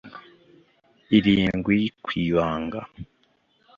irindwi ku ibanga